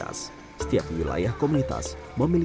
ada banyak makanan yang mereka masukan